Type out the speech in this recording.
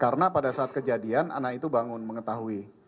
karena pada saat kejadian anak itu bangun mengetahui